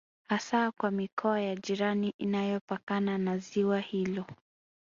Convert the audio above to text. Hasa kwa mikoa ya jirani inayopakana na ziwa hilo